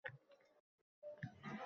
Oppok changdir egnu boshimiz